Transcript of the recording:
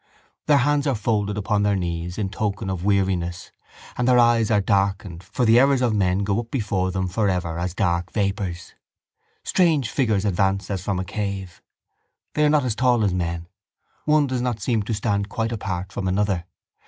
Their hands are folded upon their knees in token of weariness and their eyes are darkened for the errors of men go up before them for ever as dark vapours. Strange figures advance as from a cave. They are not as tall as men. One does not seem to stand quite apart from another.